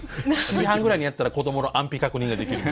７時半ぐらいにやったら子どもの安否確認ができる。